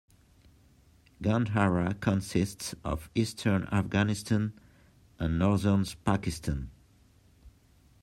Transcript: Gandhara consists of eastern Afghanistan and northern Pakistan.